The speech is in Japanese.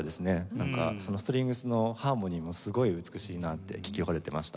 なんかストリングスのハーモニーもすごい美しいなって聴き惚れてました。